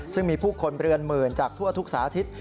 ซึ่งมีผู้คนเรือนหมื่นจากทั่วทุกสาธิต